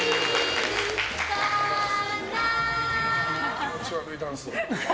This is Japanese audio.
気持ち悪いダンス。